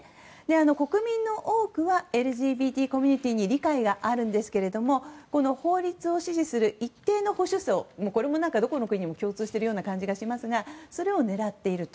国民の多くはＬＧＢＴコミュニティーに理解ありますが法律を支持する一定の保守層これもどこの国でも共通してる感じがしますがそれを狙っていると。